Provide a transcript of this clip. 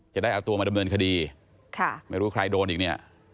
จะได้เอาตัวมาดำเนินคดีค่ะไม่รู้ใครโดนอีกเนี่ย